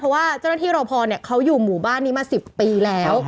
เพราะว่าเจ้าหน้าที่รอพอเขาอยู่หมู่บ้านนี้มา๑๐ปีแล้ว